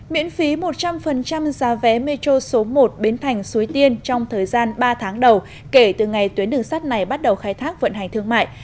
miễn phí một trăm linh giá vé metro số một biến thành suối tiên trong thời gian ba tháng đầu kể từ ngày tuyến đường sắt này bắt đầu khai thác vận hành thương mại